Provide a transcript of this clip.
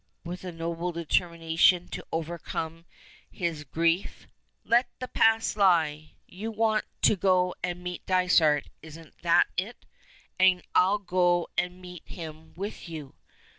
with a noble determination to overcome his grief. "Let the past lie. You want to go and meet Dysart, isn't that it? And I'll go and meet him with you.